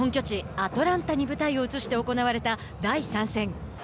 アトランタに舞台を移して行われた第３戦。